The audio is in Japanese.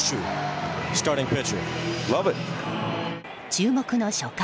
注目の初回。